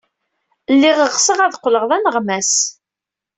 Lliɣ ɣseɣ ad qqleɣ d aneɣmas.